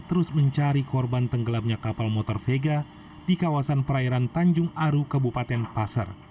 terus mencari korban tenggelamnya kapal motor vega di kawasan perairan tanjung aru kabupaten pasir